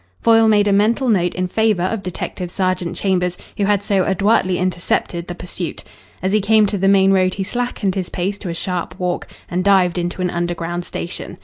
Foyle made a mental note in favour of Detective Sergeant Chambers, who had so adroitly intercepted the pursuit. As he came to the main road he slackened his pace to a sharp walk, and dived into an underground station.